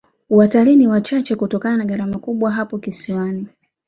watalii ni wachache kutokana na gharama kubwa hapo kisiwani